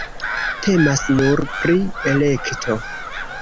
Temas nur pri elekto.